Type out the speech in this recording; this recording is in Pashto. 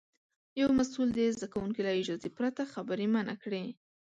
یو مسوول د زده کوونکي له اجازې پرته خبرې منع کړې.